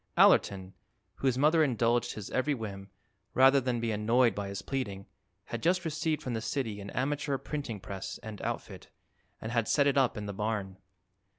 Allerton, whose mother indulged his every whim, rather than be annoyed by his pleading, had just received from the city an amateur printing press and outfit and had set it up in the barn.